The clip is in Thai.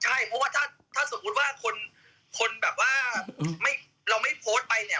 ใช่เพราะว่าถ้าสมมุติว่าคนแบบว่าเราไม่โพสต์ไปเนี่ย